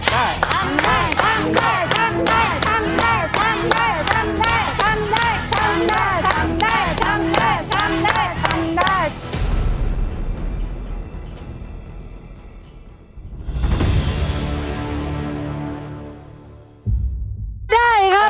ได้ทำได้ทำได้ทัลพี่ทำได้ทำได้